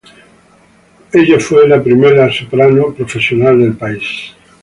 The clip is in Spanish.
Ella fue la primera soprano profesional del país.